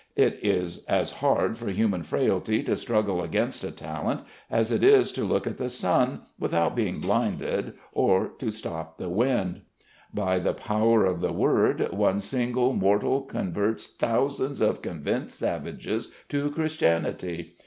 It is as hard for human frailty to struggle against a talent as it is to look at the sun without being blinded or to stop the wind. By the power of the word one single mortal converts thousands of convinced savages to Christianity.